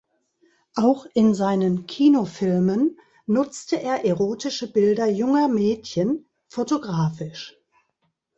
Auch in seinen Kinofilmen nutzte er erotische Bilder junger Mädchen fotografisch.